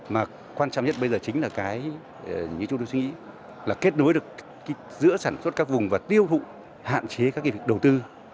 mà quan trọng nhất bây giờ chính là cái như chúng tôi suy nghĩ là kết nối giữa sản xuất các vùng và tiêu thụ hạn chế các việc đầu tư